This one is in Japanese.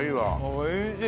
おいしい！